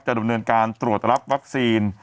ดำเนินการตรวจรับวัคซีน